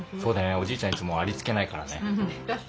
おじいちゃんいつもありつけないからね。